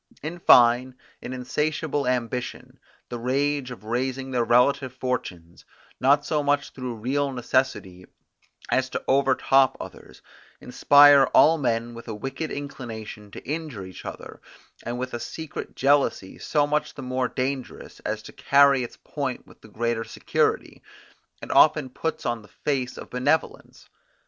In fine, an insatiable ambition, the rage of raising their relative fortunes, not so much through real necessity, as to over top others, inspire all men with a wicked inclination to injure each other, and with a secret jealousy so much the more dangerous, as to carry its point with the greater security, it often puts on the face of benevolence.